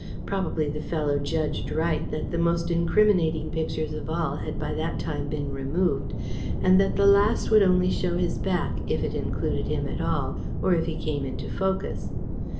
Probably the fellow judged right that the most incriminating pictures of all had by that time been removed, and that the last would only show his back, if it included him at all, or if he came into focus.